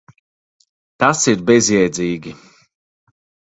Tas ir bezjēdzīgi.